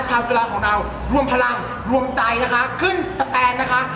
ชาวจุลาของเราร่วมพลังร่วมใจนะคะขึ้นนะคะ